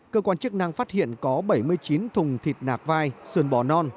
cơ quan chức năng phát hiện có bảy mươi chín thùng thịt nạc vai sườn bò non